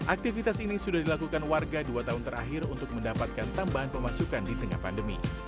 aktivitas ini sudah dilakukan warga dua tahun terakhir untuk mendapatkan tambahan pemasukan di tengah pandemi